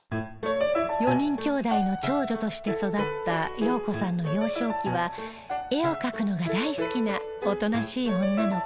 ４人きょうだいの長女として育った洋子さんの幼少期は絵を描くのが大好きなおとなしい女の子